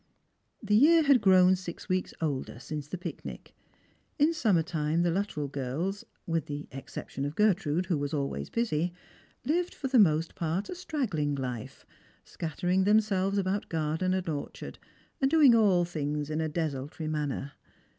The year had grown six weeks older since the picnic. In summer time the Luttrell girls — with the exception of Gertrude, who was always busy— lived for the most part a stragi^ling hfe, scattering themselves about garden and orchard, and doing all things in a desultory manner.